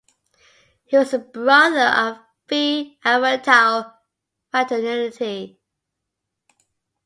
He was a brother of the Phi Alpha Tau fraternity.